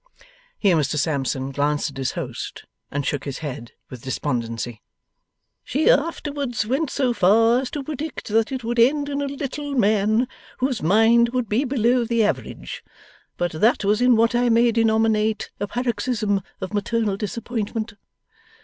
(Here Mr Sampson glanced at his host and shook his head with despondency.) 'She afterwards went so far as to predict that it would end in a little man whose mind would be below the average, but that was in what I may denominate a paroxysm of maternal disappointment.